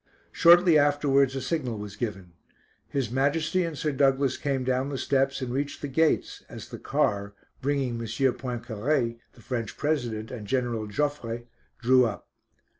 Shortly afterwards a signal was given. His Majesty and Sir Douglas came down the steps and reached the gates as the car, bringing M. Poincaré, the French President, and General Joffre, drew up.